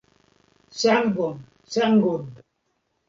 Sangon, sangon!